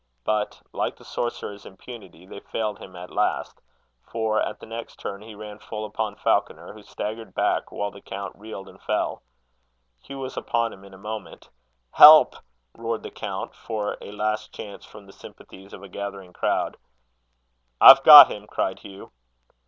But, like the sorcerer's impunity, they failed him at last; for, at the next turn, he ran full upon Falconer, who staggered back, while the count reeled and fell. Hugh was upon him in a moment. "Help!" roared the count, for a last chance from the sympathies of a gathering crowd. "I've got him!" cried Hugh.